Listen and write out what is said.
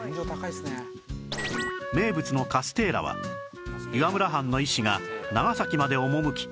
名物のカステーラは岩村藩の医師が長崎まで赴き